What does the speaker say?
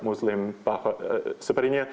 muslim bahwa sepertinya